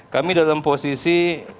kami dalam posisi